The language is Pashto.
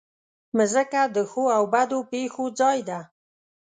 مځکه د ښو او بدو پېښو ځای ده.